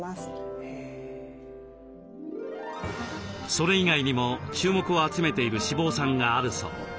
それ以外にも注目を集めている脂肪酸があるそう。